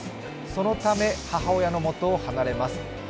そのため、母親の元を離れます。